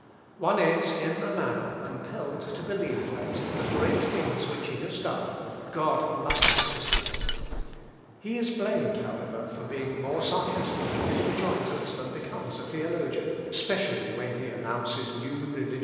One is, in a manner, compelled to believe that, in the great things which he has done, God must have assisted him. He is blamed, however, for being more sarcastic in his rejoinders than becomes a theologian, especially when he announces new religious ideas.